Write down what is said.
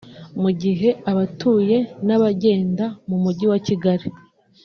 Mu gihe abatuye n’abagenda mu Mujyi wa Kigali